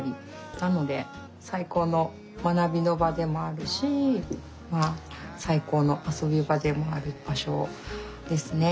なので最高の学びの場でもあるし最高の遊び場でもある場所ですね。